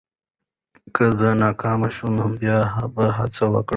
که زه ناکام شوم، بیا به هڅه وکړم.